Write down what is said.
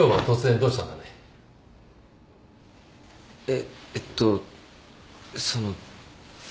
えっえっとその。